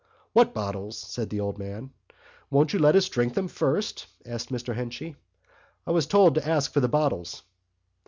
"What bottles?" said the old man. "Won't you let us drink them first?" said Mr Henchy. "I was told to ask for the bottles."